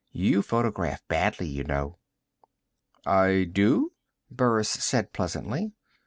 You photograph badly, you know." "I do?" Burris said pleasantly.